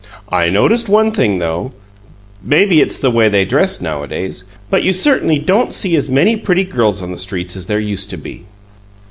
I noticed one thing, though; maybe it's the way they dress nowadays, but you certainly don't see as many pretty girls on the streets as there used to be."